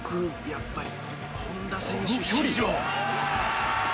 やっぱり本田選手史上。